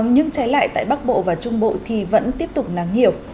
nhưng trái lại tại bắc bộ và trung bộ thì vẫn tiếp tục nắng nhiều